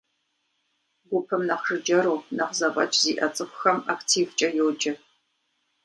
Гупым нэхъ жыджэру, нэхъ зэфӏэкӏ зиӏэ цӏыхухэм активкӏэ йоджэ.